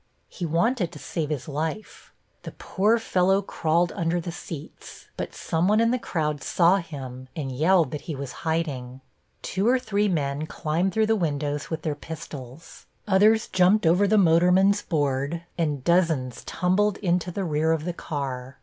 He wanted to save his life. The poor fellow crawled under the seats. But some one in the crowd saw him and yelled that he was hiding. Two or three men climbed through the windows with their pistols; others jumped over the motorman's board, and dozens tumbled into the rear of the car.